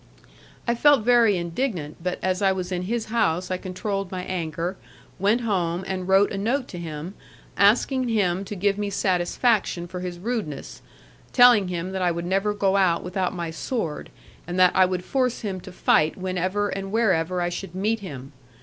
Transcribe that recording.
I felt very indignant, but as I was in his house I controlled my anger, went home, and wrote a note to him asking him to give me satisfaction for his rudeness, telling him that I would never go out without my sword, and that I would force him to fight whenever and wherever I should meet him.